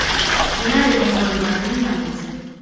მდინარე გომბორის მარჯვენა ნაპირზე.